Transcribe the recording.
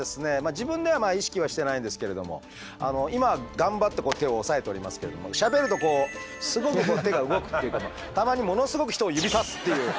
自分では意識はしてないんですけれども今頑張って手を抑えておりますけれどもしゃべるとこうすごく手が動くっていうかたまにものすごく人を指さすっていう。